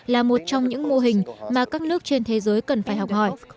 là một trong những mô hình mà các nước trên thế giới cần phải học hỏi